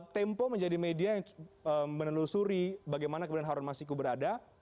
tempo menjadi media yang menelusuri bagaimana kemudian harun masiku berada